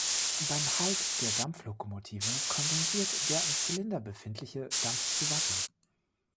Beim Halt der Dampflokomotive kondensiert der im Zylinder befindliche Dampf zu Wasser.